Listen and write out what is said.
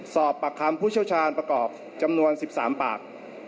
สอบปากคำผู้เชี่ยวชาญประกอบจำนวน๑๓ปาก